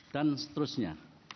satu dan seterusnya